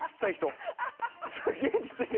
すげちっちゃい人。